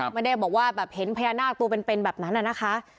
ไม่ได้บอกว่าแบบเห็นพญานาคตัวเป็นแบบนั้นนะคะ